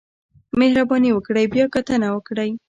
مهرباني وکړئ بیاکتنه وکړئ